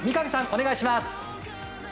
お願いします。